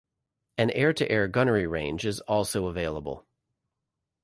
An air-to-air gunnery range is also available.